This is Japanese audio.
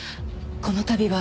この度は。